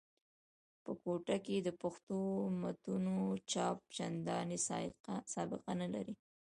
په کوټه کښي د پښتو متونو چاپ چندان سابقه نه لري.